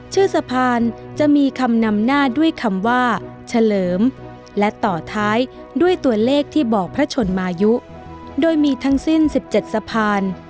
ชื่อสะพานจะมีคำนำหน้าด้วยคำว่าเฉลิมและต่อท้ายด้วยตัวเลขที่บอกพระชนมายุโดยมีทั้งสิ้น๑๗สะพาน